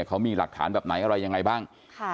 เขามีหลักฐานแบบไหนอะไรยังไงบ้าง